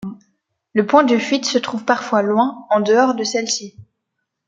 Le point de fuite se trouve parfois loin en dehors de celle-ci.